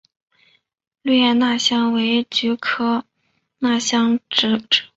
绿艾纳香为菊科艾纳香属的植物。